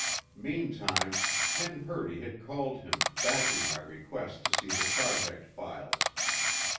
Meantime, Ken Purdy had called him backing my request to see the Project files.